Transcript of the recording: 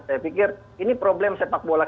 saya pikir ini adalah sebuah keuntungan